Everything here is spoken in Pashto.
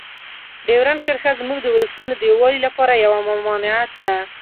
ډیورنډ کرښه زموږ د ولسونو د یووالي لپاره یوه ممانعت ده.